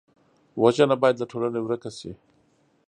وژنه باید له ټولنې ورک شي